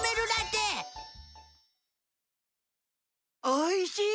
おいしい！